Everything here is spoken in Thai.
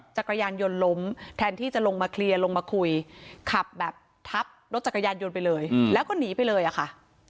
จักรยานยนต์ล้มแทนที่จะลงมาเคลียร์ลงมาคุยขับแบบทับรถจักรยานยนต์ไปเลยแล้วก็หนีไปเลยอะค่ะ